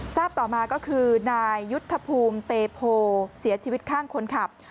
ทราบต่อมาก็คือนายยุทธภูมิเตโพเสียชีวิตข้างคนขับ